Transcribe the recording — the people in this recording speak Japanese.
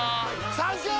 サンキュー！！